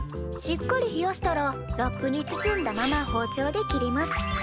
しっかり冷やしたらラップに包んだまま包丁で切ります。